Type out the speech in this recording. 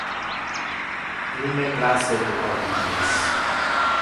Il me place tu capillos.